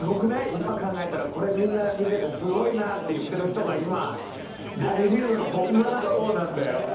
今、考えたらこれ、みんな見ててすごいなって言ってる人が今、大リーグのホームラン王なんだよ。